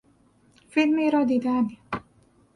فیلمی را دیدن